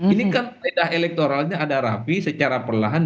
ini kan bedah elektoralnya ada rapi secara perlahan